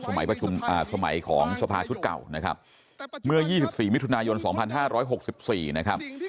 สมัยของสภาชุดเก่านะครับเมื่อ๒๔มิถุนายน๒๕๖๔นะครับ